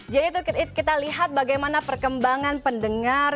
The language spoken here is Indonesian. jadi itu kita lihat bagaimana perkembangan pendengar